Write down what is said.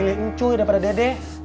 dia lebih milih encuy daripada dede